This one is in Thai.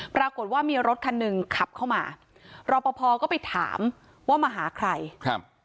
ปรากฏว่ามีรถคันหนึ่งขับเข้ามารอปภก็ไปถามว่ามาหาใครครับ